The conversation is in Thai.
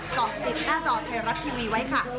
ต่อสิทธิ์หน้าจอเทราะท์ทีวีไว้ค่ะ